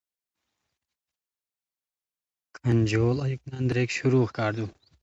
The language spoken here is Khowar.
کھانجوڑ ایوکون دریک شروع کاردو